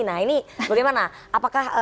nah ini bagaimana apakah